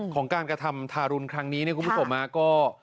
ของการกระทำทารุณครั้งนี้นี่คุณพี่ขอบมาก็